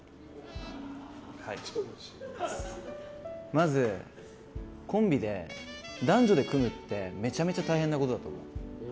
まず、コンビで男女で組むってめちゃめちゃ大変なことだと思う。